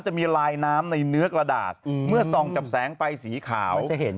จะมีลายน้ำในเนื้อกระดาษเมื่อส่องกับแสงไฟสีขาว